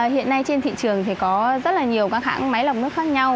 hiện nay trên thị trường có rất nhiều các hãng máy lọc nước khác nhau